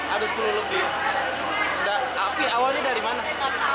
api awalnya dari mana